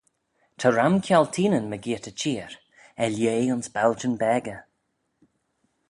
Ta ram kialteenyn mygeayrt y çheer - er lheh ayns baljyn beggey.